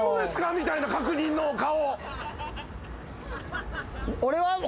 みたいな確認の顔。